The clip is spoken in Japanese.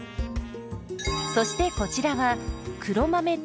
そしてこちらは黒豆ともち。